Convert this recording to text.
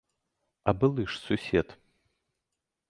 А былы ж сусед!